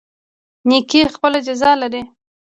نیکي خپله جزا لري